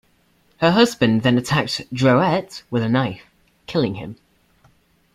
Her husband then attacked Drouet with a knife, killing him.